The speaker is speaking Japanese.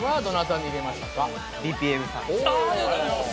ありがとうございます。